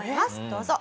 どうぞ。